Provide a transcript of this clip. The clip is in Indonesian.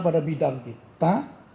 pada bidang kita